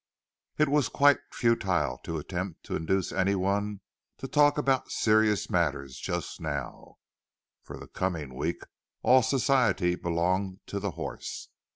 It was quite futile to attempt to induce anyone to talk about serious matters just now—for the coming week all Society belonged to the horse.